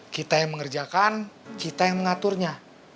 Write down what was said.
kita yang mengerjakan kita yang mengaturnya